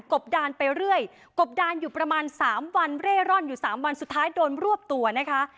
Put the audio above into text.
บดานไปเรื่อยกบดานอยู่ประมาณสามวันเร่ร่อนอยู่สามวันสุดท้ายโดนรวบตัวนะคะ